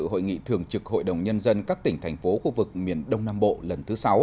hội nghị thường trực hội đồng nhân dân các tỉnh thành phố khu vực miền đông nam bộ lần thứ sáu